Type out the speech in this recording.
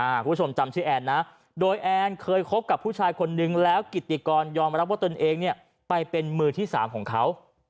คุณผู้ชมจำชื่อแอนนะโดยแอนเคยคบกับผู้ชายคนนึงแล้วกิติกรยอมรับว่าตนเองเนี่ยไปเป็นมือที่สามของเขา